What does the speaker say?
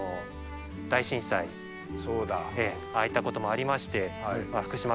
ああいったこともありまして。